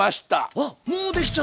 あっもう出来ちゃった。